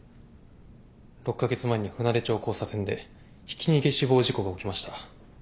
６カ月前に舟出町交差点でひき逃げ死亡事故が起きました。